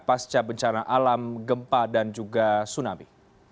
pasca bencana alam gempa dan juga tsunami